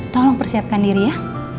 tolong persiapkan diri ya